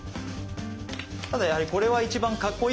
ただやはりこれは一番かっこいいので。